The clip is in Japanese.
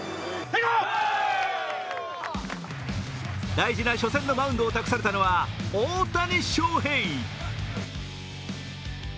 大事な初戦のマウンドを託されたのは大谷翔平。